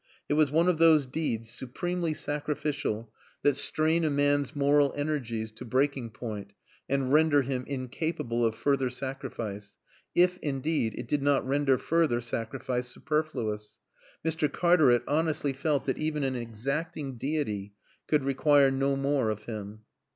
It was one of those deeds, supremeful sacrificial, that strain a man's moral energies to breaking point and render him incapable of further sacrifice; if, indeed, it did not render further sacrifice superfluous. Mr. Cartaret honestly felt that even an exacting deity could require no more of him.